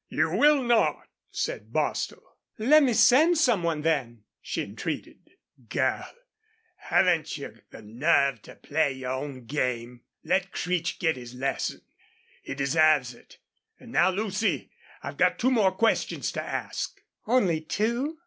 "You will not," said Bostil. "Let me send some one, then," she entreated. "Girl, haven't you the nerve to play your own game? Let Creech get his lesson. He deserves it.... An' now, Lucy, I've two more questions to ask." "Only two?"